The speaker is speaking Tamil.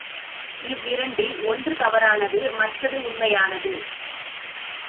இவ்விரண்டில் ஒன்று தவறானது மற்றது உண்மையானது.